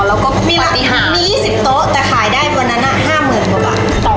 อ๋อแล้วก็มีหลักนี้สิบโต๊ะแต่ขายได้วันนั้นอ่ะห้ามหมื่นบาท